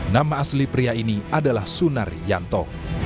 nama asli pria ini adalah sunnarianto